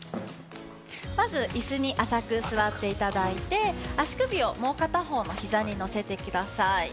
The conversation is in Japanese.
まずイスに浅く座っていただいて、足首をもう片方の膝に乗せてください。